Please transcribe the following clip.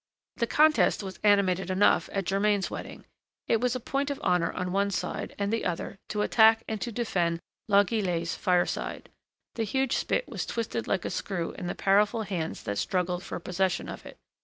The contest was animated enough at Germain's wedding. It was a point of honor on one side and the other to attack and to defend La Guillette's fireside. The huge spit was twisted like a screw in the powerful hands that struggled for possession of it.